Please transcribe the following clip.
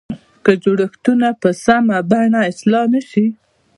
که جوړښتونه په سمه بڼه اصلاح نه شي.